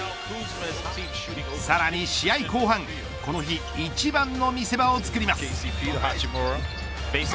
さらに試合後半この日一番の見せ場を作ります。